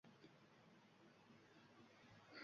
Ma’lumki, dunyo bir joyda to’xtab turmaydi